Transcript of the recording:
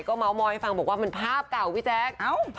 เมาสอยให้ฟังบอกว่ามันภาพเก่าพี่แจ๊ค